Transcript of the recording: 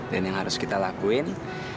dan yang harus kita lakuin